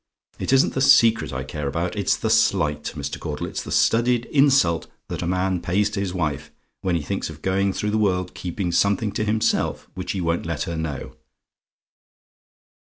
It isn't the secret I care about: it's the slight, Mr. Caudle; it's the studied insult that a man pays to his wife, when he thinks of going through the world keeping something to himself which he won't let her know.